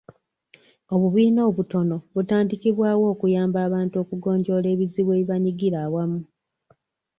Obubiina obutono butandikibwawo okuyamba abantu okugonjoola ebizibu ebibanyigira awamu.